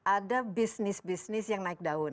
ada bisnis bisnis yang naik daun